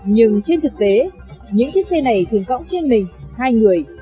nhưng trên thực tế những chiếc xe này thường cõng trên mình hai người